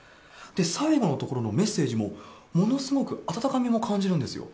最後のところのメッセージも、ものすごく温かみも感じるんですよ。